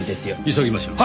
急ぎましょう。